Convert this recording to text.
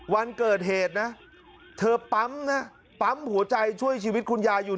วันเกิดเหตุนะเธอปั๊มนะปั๊มหัวใจช่วยชีวิตคุณยายอยู่